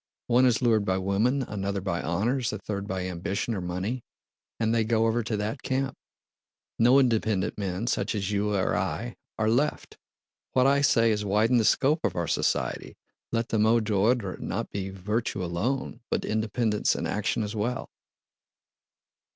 One is lured by women, another by honors, a third by ambition or money, and they go over to that camp. No independent men, such as you or I, are left. What I say is widen the scope of our society, let the mot d'ordre be not virtue alone but independence and action as well!"